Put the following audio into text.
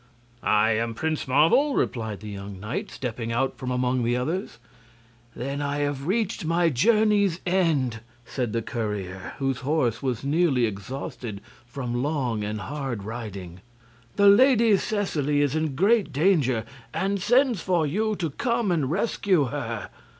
"I am Prince Marvel," replied the young knight, stepping out from among the others. "Then have I reached my journey's end!" said the courier, whose horse was nearly exhausted from long and hard riding. "The Lady Seseley is in great danger, and sends for you to come and rescue her.